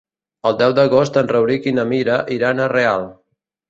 El deu d'agost en Rauric i na Mira iran a Real.